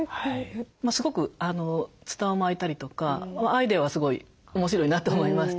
すごくツタを巻いたりとかアイデアはすごい面白いなと思いました。